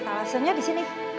nah langsungnya di sini